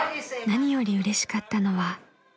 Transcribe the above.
［何よりうれしかったのは］